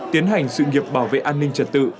tiến hành sự nghiệp bảo vệ an ninh trật tự